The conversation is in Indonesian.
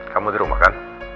kamu di rumah kan